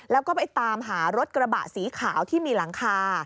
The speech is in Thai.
แล้วก็ไปตามหารถกระบะสีขาวที่มีหลังคา